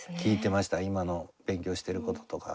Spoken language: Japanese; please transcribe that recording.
今の勉強してることとか。